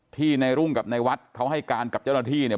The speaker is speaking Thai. ที่ในรุ่งกับในวัดเขาให้การกับเจ้าหน้าที่เนี่ย